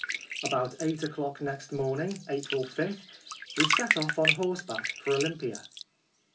About eight o'clock next morning (April 5) we set off on horseback for Olympia.